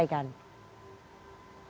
apa yang anda sampaikan